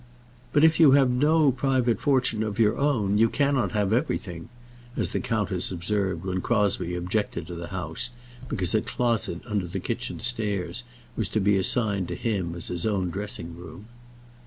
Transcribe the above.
"But if you have no private fortune of your own, you cannot have everything," as the countess observed when Crosbie objected to the house because a closet under the kitchen stairs was to be assigned to him as his own dressing room.